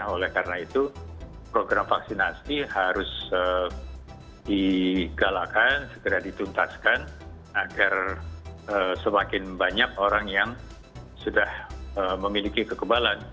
oleh karena itu program vaksinasi harus digalakan segera dituntaskan agar semakin banyak orang yang sudah memiliki kekebalan